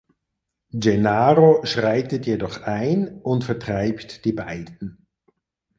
Gennaro schreitet jedoch ein und vertreibt die beiden.